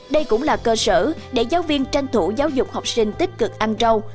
đây cũng là cơ sở để giáo viên tranh thủ giáo dục học sinh tích cực ăn rau